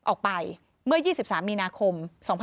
ออกไปเมื่อ๒๓มีนาคม๒๕๖๒